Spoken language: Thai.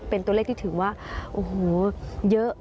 เป็นตัวเลขที่ถือว่าโอ้โหเยอะ